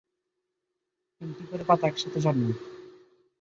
তিনটি করে পাতা একসাথে জন্মায়।